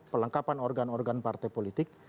pelengkapan organ organ partai politik